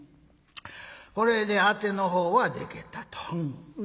これでアテのほうはでけたと。